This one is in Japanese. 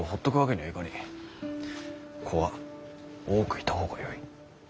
子は多くいた方がよい。